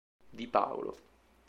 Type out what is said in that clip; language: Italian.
Di Paolo